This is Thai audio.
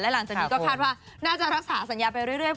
หลังจากนี้ก็คาดว่าน่าจะรักษาสัญญาไปเรื่อย